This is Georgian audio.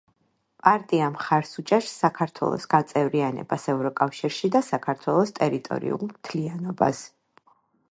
პარტია მხარს უჭერს საქართველოს გაწევრიანებას ევროკავშირში და საქართველოს ტერიტორიულ მთლიანობას.